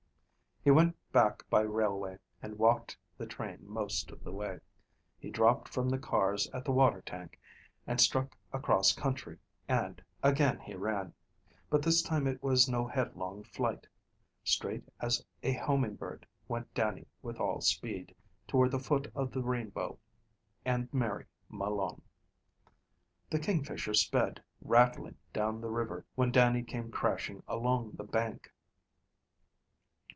He went back by railway and walked the train most of the way. He dropped from the cars at the water tank and struck across country, and again he ran. But this time it was no headlong flight. Straight as a homing bird went Dannie with all speed, toward the foot of the Rainbow and Mary Malone. The Kingfisher sped rattling down the river when Dannie came crashing along the bank.